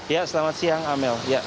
ya selamat siang amel